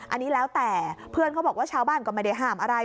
อันนี้แล้วแต่เพื่อนเขาบอกว่าชาวบ้านก็ไม่ได้ห้ามอะไร